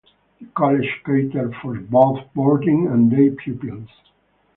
The college caters for both boarding and day pupils.